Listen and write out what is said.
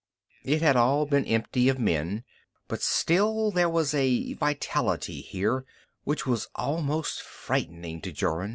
It had all been empty of man, but still there was a vitality here which was almost frightening to Jorun.